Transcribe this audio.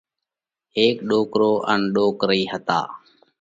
هيڪ ڏوڪرو ان ڏوڪرئِي هتا۔